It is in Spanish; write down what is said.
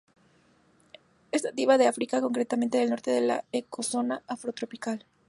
Es nativa de África, concretamente del norte de la ecozona afrotropical.